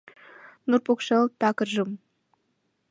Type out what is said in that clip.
Нур покшел такыржым